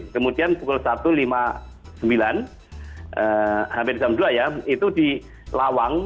kemudian pukul satu lima puluh sembilan hampir jam dua ya itu di lawang